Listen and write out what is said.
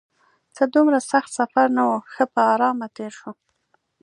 څه دومره سخت سفر نه و، ښه په ارامه تېر شو.